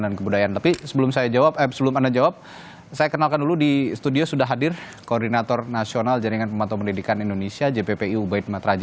kebudayaan tapi sebelum saya jawab eh sebelum anda jawab saya kenalkan dulu di studio sudah hadir koordinator nasional jaringan pemantau pendidikan indonesia jppu ubaid matraja